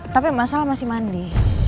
tapi masalah masih mandi